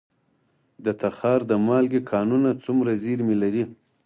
د تخار د مالګې کانونه څومره زیرمې لري؟